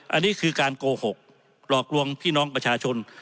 อันนี้คือการโกหกหลอกลวงพี่น้องประชาชน